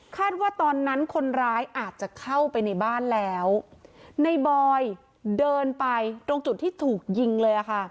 ว่าตอนนั้นคนร้ายอาจจะเข้าไปในบ้านแล้วในบอยเดินไปตรงจุดที่ถูกยิงเลยอ่ะค่ะ